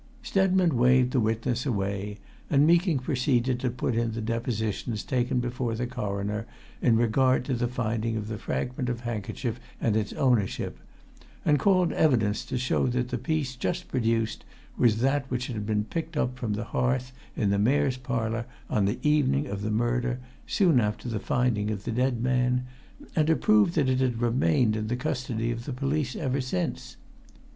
Stedman waved the witness away, and Meeking proceeded to put in the depositions taken before the Coroner in regard to the finding of the fragment of handkerchief and its ownership, and called evidence to show that the piece just produced was that which had been picked up from the hearth in the Mayor's Parlour on the evening of the murder, soon after the finding of the dead man, and to prove that it had remained in the custody of the police ever since.